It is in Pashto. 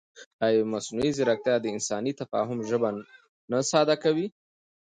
ایا مصنوعي ځیرکتیا د انساني تفاهم ژبه نه ساده کوي؟